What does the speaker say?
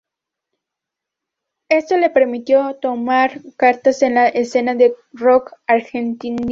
Esto les permitió tomar cartas en la escena del rock argentino.